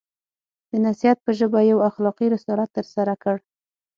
د نصیحت په ژبه یو اخلاقي رسالت ترسره کړ.